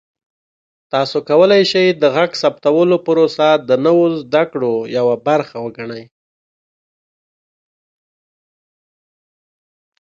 تاسو کولی شئ د غږ ثبتولو پروسه د نوو زده کړو یوه برخه وګڼئ.